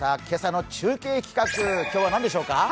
今朝の中継企画今日はなんでしょうか？